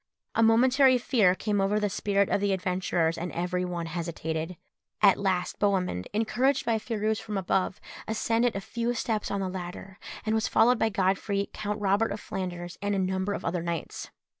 A momentary fear came over the spirits of the adventurers, and every one hesitated. At last Bohemund, encouraged by Phirouz from above, ascended a few steps on the ladder, and was followed by Godfrey, Count Robert of Flanders, and a number of other knights.